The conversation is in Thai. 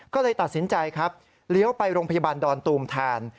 ก็เลยตัดสินใจครับเลี้ยวไปโรงพยาบาลดอนตูมแทน